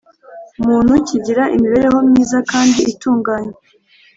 Muntu kigira imibereho myiza kandi itunganye